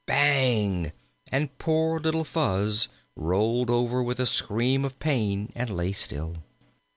Bang! and poor little Fuzz rolled over with a scream of pain and lay still.